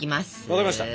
分かりました。